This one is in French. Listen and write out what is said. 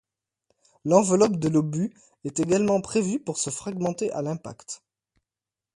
L'enveloppe de l'obus est également prévue pour se fragmenter à l'impact.